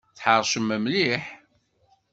Tḥeṛcem mliḥ!